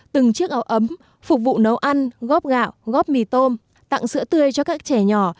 từng chiếc áo ấm phục vụ nấu ăn góp gạo góp mì tôm tặng sữa tươi cho các trẻ nhỏ